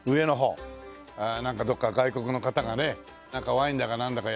なんかどっか外国の方がねなんかワインだかなんだかやってますけどね。